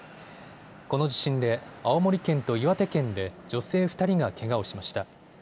この地震で青森県と岩手県で女性２人がけがをしました。